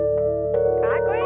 かっこいい！